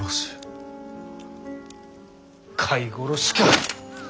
飼い殺しか。